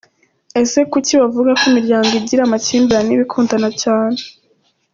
Ese kuki bavuga ko imiryango igira amakimbirane iba ikundana cyane?.